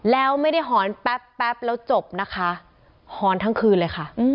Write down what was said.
แล้วไม่ได้หอนแป๊บแล้วจบนะคะหอนทั้งคืนเลยค่ะ